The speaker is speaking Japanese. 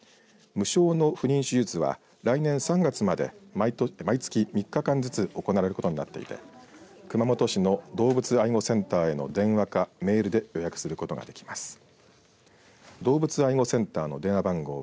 無償の不妊手術は来年３月まで毎月３日間ずつ行われることになっていて熊本市の動物愛護センターへの電話かメールで予約することができます。